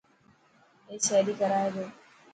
اي سهري ڪرائي تو.